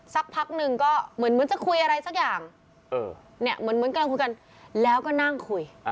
สักพักหนึ่งก็เหมือนจะคุยอะไรสักอย่างเนี่ยเหมือนกำลังคุยกันแล้วก็นั่งคุย